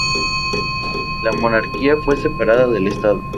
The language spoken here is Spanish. La monarquía fue separada del Estado.